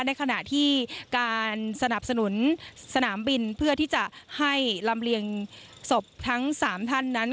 ในขณะที่การสนับสนุนสนามบินเพื่อที่จะให้ลำเลียงศพทั้ง๓ท่านนั้น